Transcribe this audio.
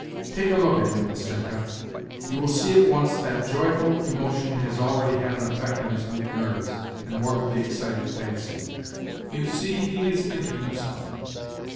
Take a look at him, Nastenka ; you will see at once that joyful emotion has already had an effect on his weak nerves and morbidly excited fancy. You see he is thinking of something.